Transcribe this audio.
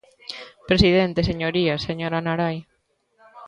Presidente, señorías, señora Narai.